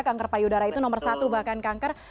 kanker payudara itu nomor satu bahkan kanker